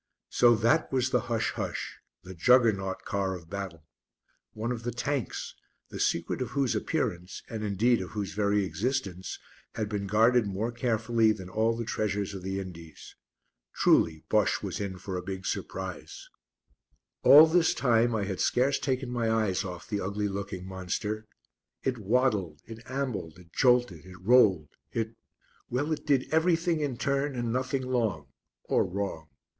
So that was the "Hush! hush!" the Juggernaut Car of Battle. One of the Tanks, the secret of whose appearance, and indeed of whose very existence, had been guarded more carefully than all the treasures of the Indies. Truly Bosche was in for a big surprise. All this time I had scarce taken my eyes off the ugly looking monster. It waddled, it ambled, it jolted, it rolled, it well it did everything in turn and nothing long or wrong.